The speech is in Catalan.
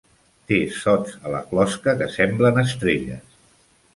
Té sots a la closca que semblen estrelles.